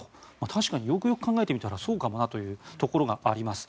確かによくよく考えてみたらそうかもなというところがあります。